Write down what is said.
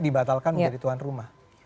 dibatalkan menjadi tuan rumah